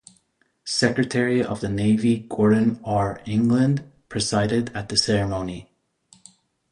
Secretary of the Navy Gordon R. England, presided at the ceremony.